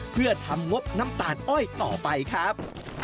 เพื่อทำงบน้ำตาลอ้อยต่อไปครับ